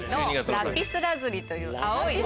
ラピスラズリという青い。